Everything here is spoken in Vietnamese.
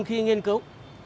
khi nghiên cứu